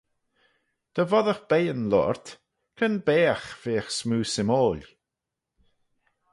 Dy voddagh beiyn loayrt, cre'n baagh veagh smoo symoil?